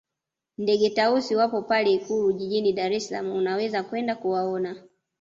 Ndege Tausi wapo pale ikulu jijini dar es salama unaweza kwenda kuwaona